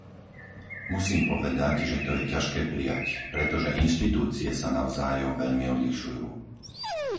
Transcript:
Musím povedať, že to je ťažké prijať, pretože inštitúcie sa navzájom veľmi odlišujú.